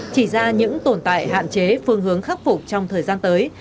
chỉ ra những tồn tại hạn chế phương hướng khắc phục trong thời gian tới